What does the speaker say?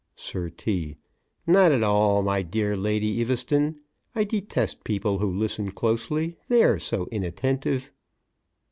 SIR T.: Not at all, my dear Lady Eaveston. I detest people who listen closely; they are so inattentive.